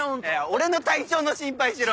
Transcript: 俺の体調の心配しろ！